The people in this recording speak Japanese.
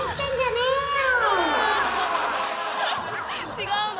違うの？